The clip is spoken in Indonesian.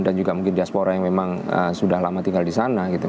dan juga mungkin diaspora yang memang sudah lama tinggal di sana gitu